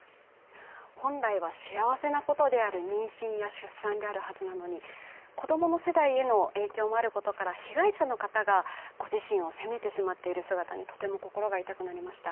本来は幸せなことである妊娠や出産であるはずなのに子供の世代への影響もあることから被害者の方がご自身を責めてしまっている姿にとても心が痛くなりました。